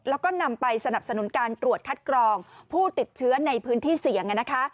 แล้วก็นำไปสนับสนุนการตรวจคัดกรองผู้ติดเชื้อในพื้นที่เสี่ยงนะคะ